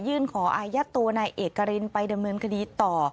ยื่นขออายทศตัวนายเอกกระรินไปดำเนินคดีต่อ